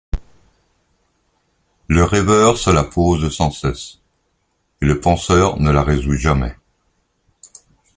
Le rêveur se la pose sans cesse, et le penseur ne la résout jamais.